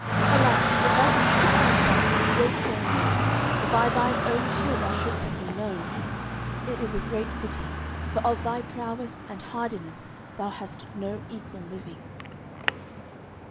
Alas! thou hast put thyself in great danger, for by thine own shield thou shouldst have been known. It is a great pity, for of thy prowess and hardiness thou hast no equal living."